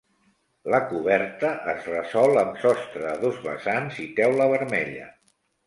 La coberta es resol amb sostre a dos vessants i teula vermella.